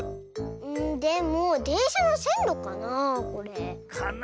んでもでんしゃのせんろかなこれ？かな。